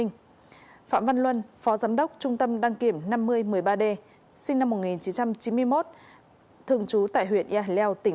phạm văn luân phó giám đốc trung tâm đăng kiểm năm mươi một mươi ba d sinh năm một nghìn chín trăm chín mươi một thường trú tại huyện yà leo tỉnh